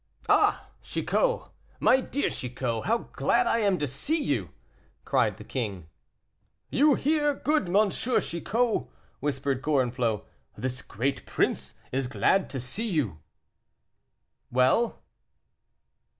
"Ah! Chicot! my dear Chicot, how glad I am to see you," cried the king. "You hear, good M. Chicot," whispered Gorenflot, "this great prince is glad to see you." "Well?"